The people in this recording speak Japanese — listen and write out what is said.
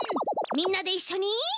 みんなでいっしょに。